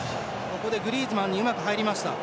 グリーズマンにうまく入りました。